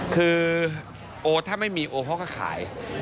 คือโอถ้าไม่มีโอเขาก็ขาย